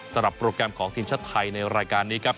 โปรแกรมของทีมชาติไทยในรายการนี้ครับ